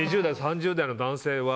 ２０代、３０代の男性は。